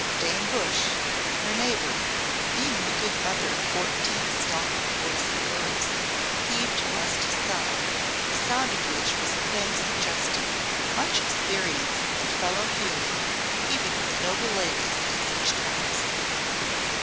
'" Dame Bush, her neighbour, being the good mother of fourteen stalwart boys and girls, heaved a lusty sigh, the sound of which was a thing suggesting much experience and fellow feeling even with noble ladies at such times.